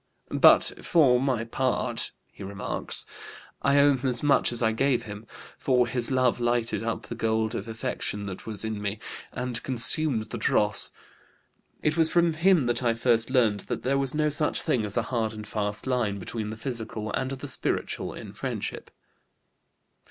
"But for my part," he remarks, "I owe him as much as I gave him, for his love lighted up the gold of affection that was in me and consumed the dross. It was from him that I first learned that there was no such thing as a hard and fast line between the physical and the spiritual in friendship."